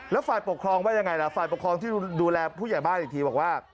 แล้วฝ่ายปกครองว่ายังไงล่ะฝ่ายปกครองที่ดูแลผู้ใหญ่บ้านอีกทีบอกว่า